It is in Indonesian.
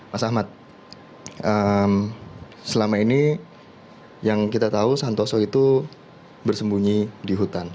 mas ahmad selama ini yang kita tahu santoso itu bersembunyi di hutan